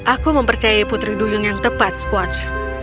aku mempercayai putri duyung yang tepat squatch